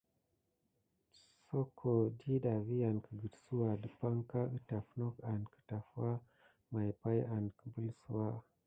Soko diɗa vi an kəgəksouwa dəpaŋka ətaf nok an kətafwa may pay an kəpelsouwa.